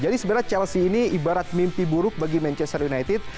jadi sebenarnya chelsea ini ibarat mimpi buruk bagi manchester united